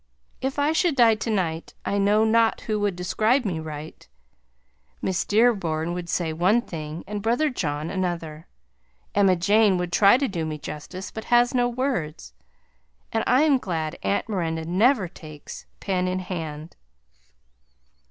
If I should die tonight I know now who would describe me right. Miss Dearborn would say one thing and brother John another. Emma Jane would try to do me justice, but has no words; and I am glad Aunt Miranda never takes the pen in hand.